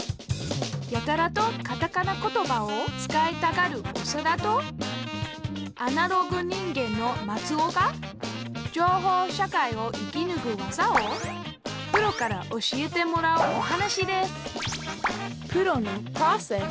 やたらとカタカナ言葉を使いたがるオサダとアナログ人間のマツオが情報社会を生きぬく技をプロから教えてもらうお話です